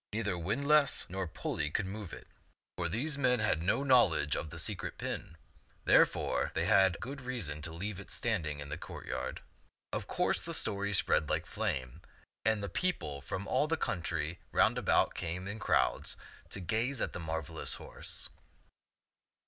Neither windlass nor pulley would move it. €^t ^(\\im'B 't<xh 169 for these men had no knowledge of the secret pin ; therefore, they had good reason to leave it standing in the courtyard. Of course the story spread like flame, and the peo ple from all the country roundabout came in crowds to gaze at the marvelous horse.